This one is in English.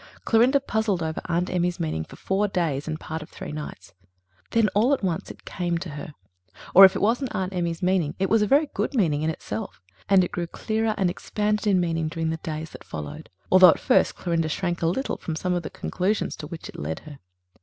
Clorinda puzzled over Aunt Emmy's meaning for four days and part of three nights. Then all at once it came to her. Or if it wasn't Aunt Emmy's meaning it was a very good meaning in itself, and it grew clearer and expanded in meaning during the days that followed, although at first Clorinda shrank a little from some of the conclusions to which it led her.